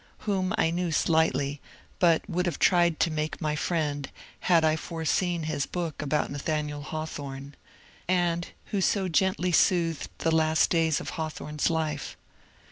(whom I knew slightly, but would have tried to make my friend haPd I foreseen his book about Nathaniel Hawthorne), and who so gently soothed the last days of Hawthorne's life.